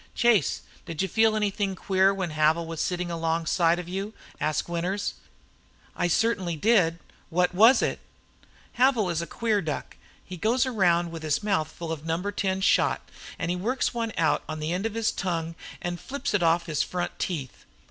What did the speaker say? "Chase, did you feel anythin' queer when Havil was sittin' alongside of you?" asked Winters. "I certainly did. What was it?" "Havil is a queer duck. He goes round with his mouth full of number ten shot, an' he works one out on the end of his tongue, an' flips it off his front teeth.